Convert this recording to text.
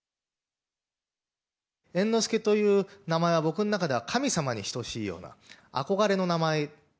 猿之助という名前は、僕の中では、神様に等しいような、憧れの名前。